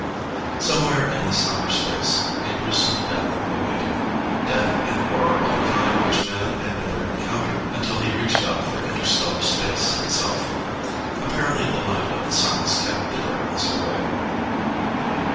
Somewhere in this outer space, a gruesome death awaited, death and horror of a kind which Man had never encountered until he reached out for inter stellar space itself. Apparently the light of the suns kept the Dragons away.